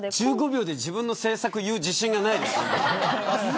１５秒で自分の政策を言う自信がないですね。